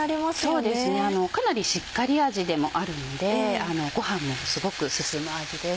そうですねかなりしっかり味でもあるのでご飯もすごく進む味です。